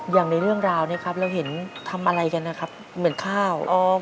อย่างในเรื่องราวเนี่ยครับเราเห็นทำอะไรกันนะครับเหมือนข้าว